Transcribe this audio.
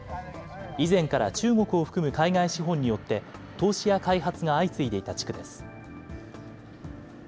以前から中国を含む海外資本によって、投資や開発が相次いでいた地区です。